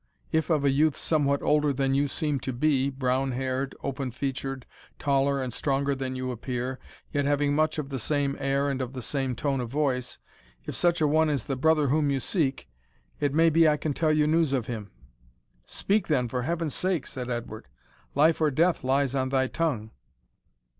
If of a youth somewhat older than you seem to be brown haired, open featured, taller and stronger than you appear, yet having much of the same air and of the same tone of voice if such a one is the brother whom you seek, it may be I can tell you news of him." "Speak, then, for Heaven's sake," said Edward "life or death lies on thy tongue!"